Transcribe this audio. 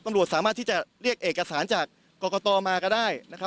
ตำรวจสามารถที่จะเรียกเอกสารจากกรกตมาก็ได้นะครับ